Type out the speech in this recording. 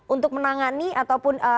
untuk menangani ataupun